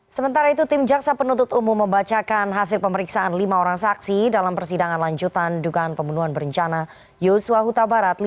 sementara itu tim jaksa penuntut umum membacakan hasil pemeriksaan lima orang saksi dalam persidangan lanjutan dugaan pembunuhan berencana yosua huta barat